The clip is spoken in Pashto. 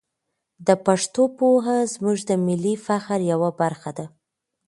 د پښتو پوهه زموږ د ملي فخر یوه برخه ده.